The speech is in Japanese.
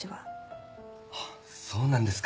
あっそうなんですか。